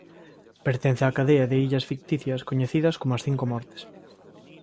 Pertence á cadea de illas ficticias coñecidas como As Cinco Mortes.